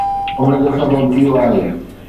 ان جو سبب اهو آهي